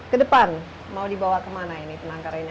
kedepan mau dibawa kemana ini penangkaran ini